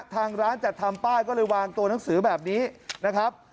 ทางร้านจัดทำป้ายก็เลยวางตัวหนังสือแบบนี้นะครับ